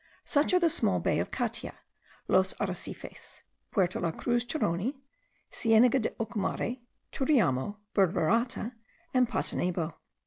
Such are the small bay of Catia, Los Arecifes, Puerto la Cruz, Choroni, Sienega de Ocumare, Turiamo, Burburata, and Patanebo.